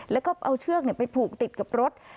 แล้วก็เอาเชือกไปผูกติดกับรถ